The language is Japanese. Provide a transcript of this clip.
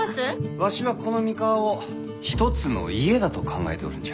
わしはこの三河を一つの家だと考えておるんじゃ。